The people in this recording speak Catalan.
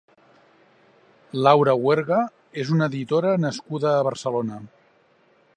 Laura Huerga és una editora nascuda a Barcelona.